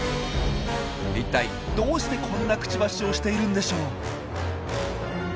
いったいどうしてこんなクチバシをしているんでしょう？